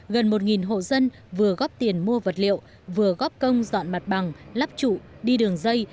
gần một hộ dân vừa góp tiền mua vật liệu vừa góp công dọn mặt bằng lắp trụ đi đường dây